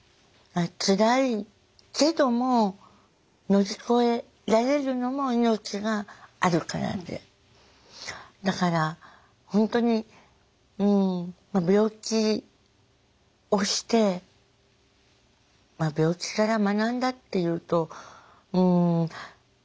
つらいけども乗り越えられるのも命があるからでだから本当に病気をしてまあ病気から学んだっていうとうん。